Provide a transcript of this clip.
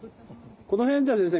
この辺じゃあ先生